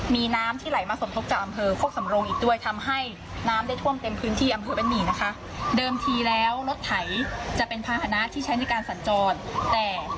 ดิฉันรันธิดาสุโตเจ้าของบ้านมุดน้ำขึ้นมารายงานค่ะ